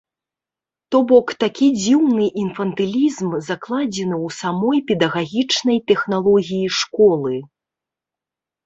То бок такі дзіўны інфантылізм закладзены ў самой педагагічнай тэхналогіі школы.